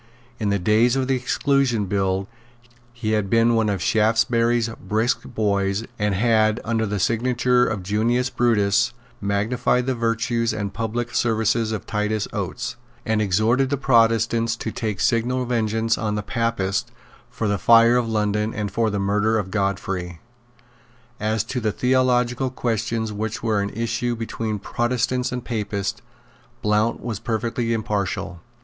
In the days of the Exclusion Bill he had been one of Shaftesbury's brisk boys, and had, under the signature of Junius Brutus, magnified the virtues and public services of Titus Oates, and exhorted the Protestants to take signal vengeance on the Papists for the fire of London and for the murder of Godfrey. As to the theological questions which were in issue between Protestants and Papists, Blount was perfectly impartial.